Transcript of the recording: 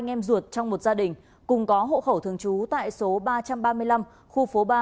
em ruột trong một gia đình cùng có hộ khẩu thường trú tại số ba trăm ba mươi năm khu phố ba